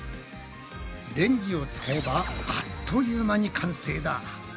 レンジを使えばあっという間に完成だ！